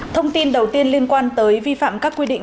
thông tin đầu tiên liên quan tới vi phạm các quy định